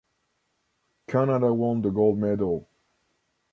Canada won the gold medal.